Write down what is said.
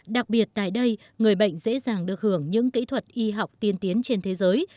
đặc biệt tại đây người bệnh dễ dàng được hưởng những kỹ thuật y học tiên tiến trên thế giới